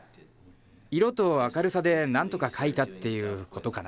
色と明るさでなんとか描いたっていうことかな。